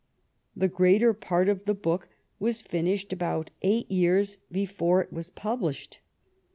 The greater part of the book was finished about eight years before it was published.